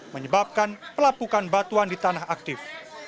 menyebabkan pelapukan batuan di tanah aktif